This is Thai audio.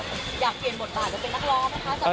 อยากเปลี่ยนบทบาทแล้วเป็นนักรอบหรือคะ